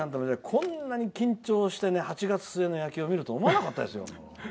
こんなに緊張して８月末の野球を見るとは思わなかったですよ。